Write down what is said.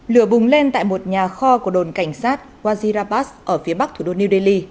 lửa bùng lên tại một nhà kho của đồn cảnh sát wazirapas ở phía bắc thủ đô new delhi